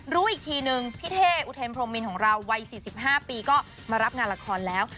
รู้อีกทีนึงพี่เท่อุเทนพรมมินของเราวัย๔๕ปีก็มารับงานละครแล้ว